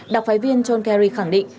đặc phái viên john kerry khẳng định